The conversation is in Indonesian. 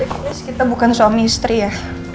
ya guys kita bukan suami istri ya